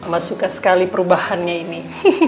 mas suka sekali perubahannya ini